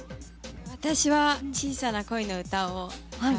私は「小さな恋のうた」を。